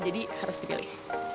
jadi harus dipilih